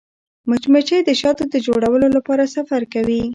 مچمچۍ د شاتو د جوړولو لپاره سفر کوي